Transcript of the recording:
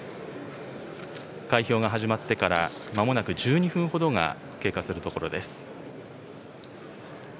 開票が始まってからまもなく１２分ほどが経過するところです。